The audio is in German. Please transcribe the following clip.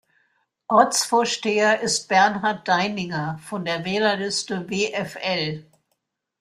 Ortsvorsteher ist "Bernhard Deininger" von der Wählerliste "WfL".